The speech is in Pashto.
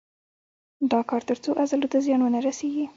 دا کار تر څو عضلو ته زیان ونه رسېږي.